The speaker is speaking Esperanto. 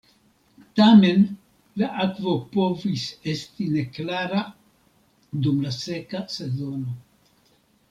Tamen, la akvo povis esti neklara dum la seka sezono.